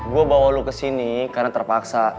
gue bawa lu kesini karena terpaksa